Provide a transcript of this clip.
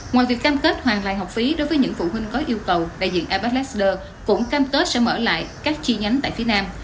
ngoài việc cam kết hoàn lại học phí đối với những phụ huynh có yêu cầu đại diện abaxer cũng cam kết sẽ mở lại các chi nhánh tại phía nam